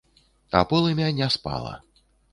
А полымя не спала.